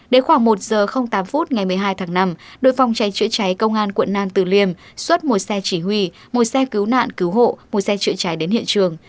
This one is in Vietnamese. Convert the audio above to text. đến khoảng một giờ tám phút ngày một mươi hai tháng năm đội phòng cháy chữa cháy công an quận nam từ liêm xuất một xe chỉ huy một xe cứu nạn cứu hộ một xe chữa cháy đến hiện trường